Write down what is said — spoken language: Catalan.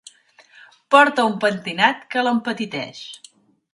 Porta un pentinat que l'empetiteix.